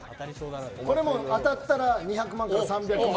当たったら２００万か３００万。